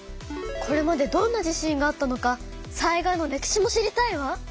これまでどんな地震があったのか災害の歴史も知りたいわ！